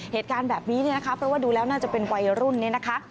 เหตุการณ์แบบนี้เนี่ยนะคะเพราะว่าดูแล้วน่าจะเป็นวัยรุ่นเนี่ยนะคะ